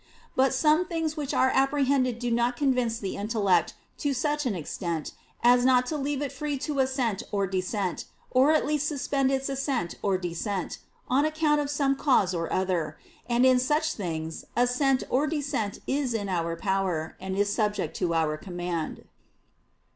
But some things which are apprehended do not convince the intellect to such an extent as not to leave it free to assent or dissent, or at least suspend its assent or dissent, on account of some cause or other; and in such things assent or dissent is in our power, and is subject to our command.